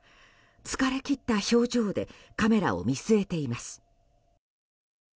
疲れ切った表情でカメラを見据えています。